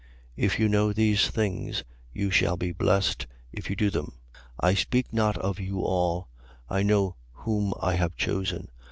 13:17. If you know these things, you shall be blessed if you do them. 13:18. I speak not of you all: I know whom I have chosen.